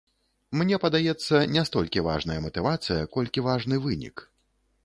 Мне падаецца, не столькі важная матывацыя, колькі важны вынік.